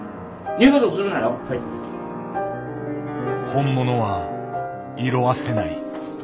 本物は色あせない。